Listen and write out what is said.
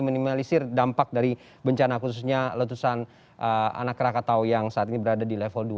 meminimalisir dampak dari bencana khususnya letusan anak rakatau yang saat ini berada di level dua